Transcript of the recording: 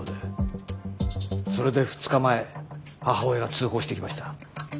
それで２日前母親が通報してきました。